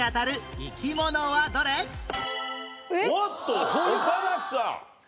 おっと岡崎さん。